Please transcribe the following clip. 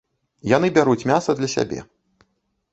Яны бяруць мяса для сябе.